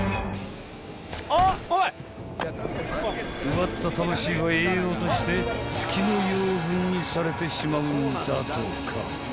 ［奪った魂は栄養として月の養分にされてしまうんだとか］